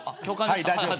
はい大丈夫です。